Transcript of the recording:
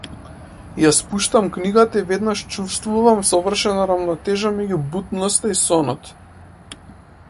Ја спуштам книгата и веднаш чувствувам совршена рамнотежа помеѓу будноста и сонот.